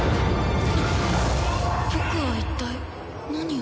僕は一体何を。